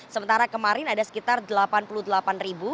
sementara kemarin ada sekitar delapan puluh delapan ribu